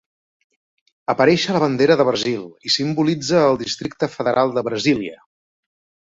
Apareix a la bandera de Brasil i simbolitza el districte federal de Brasília.